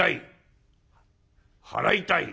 払いたい。